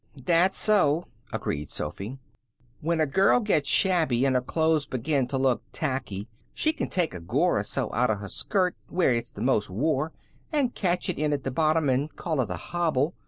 "That's so," agreed Sophy. "When a girl gets shabby, and her clothes begin t' look tacky she can take a gore or so out of her skirt where it's the most wore, and catch it in at the bottom, and call it a hobble.